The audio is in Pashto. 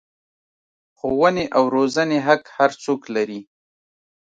ښوونې او روزنې حق هر څوک لري.